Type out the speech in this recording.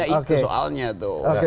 iya itu soalnya tuh